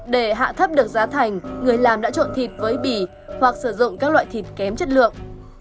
để hạ thấp được giá thành người làm đã trộn thịt với bỉ hoặc sử dụng các loại thịt kém chất lượng